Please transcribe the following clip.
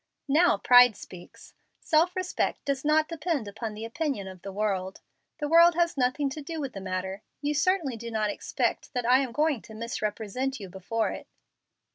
"Now pride speaks. Self respect does not depend upon the opinion of the world. The world has nothing to do with the matter. You certainly do not expect I am going to misrepresent you before it."